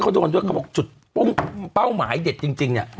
เขาโดนชุดปู่เป้าหมายเด็กจริงอ่ะคือ